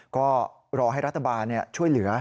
ก็รอให้รัฐบาลช่วยเหลือ